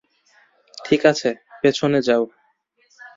ঠিক আছে, পেছনে যাও।